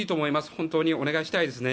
本当にお願いしたいですね。